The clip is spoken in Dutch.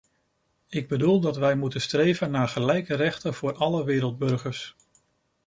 Ik bedoel dat wij moeten streven naar gelijke rechten voor alle wereldburgers.